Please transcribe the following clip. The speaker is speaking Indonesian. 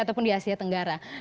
ataupun di asia tenggara